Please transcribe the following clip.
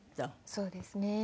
そうですね。